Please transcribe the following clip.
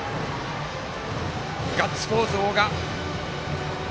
ガッツポーズ、大賀。